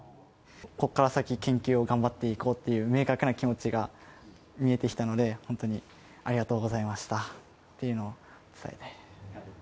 ここから先、研究を頑張っていこうっていう明確な気持ちが見えてきたので、本当にありがとうございましたっていうのを伝えたいです。